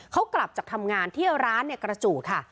เขากลับจากทำงานที่ร้านเนี่ยกระจูดค่ะ